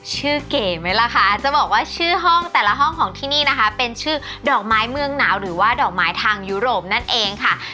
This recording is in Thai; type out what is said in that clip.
เก๋ไหมล่ะคะจะบอกว่าชื่อห้องแต่ละห้องของที่นี่นะคะเป็นชื่อดอกไม้เมืองหนาวหรือว่าดอกไม้ทางยุโรปนั่นเองค่ะ